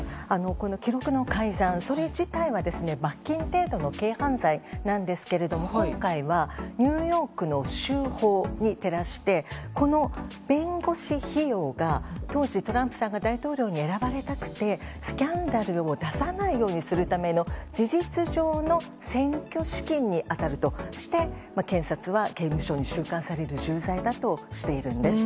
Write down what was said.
記録の改ざんそれ自体は罰金程度の軽犯罪なんですけれども、今回はニューヨークの州法に照らしてこの弁護士費用が当時トランプさんが大統領に選ばれたくてスキャンダルを出さないようにするための事実上の選挙資金に当たるとして検察は刑務所に収監される重罪だとしているんです。